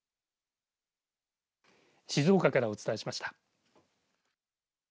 静岡からお伝えしました。